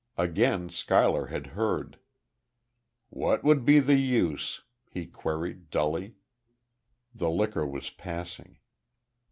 Again Schuyler had heard. "What would be the use?" he queried, dully. The liquor was passing.